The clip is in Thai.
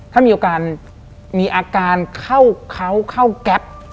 ถ้ามีอาการเขาเข้ากั๊บ